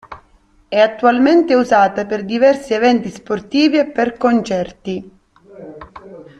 È attualmente usata per diversi eventi sportivi e per concerti.